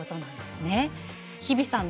日比さん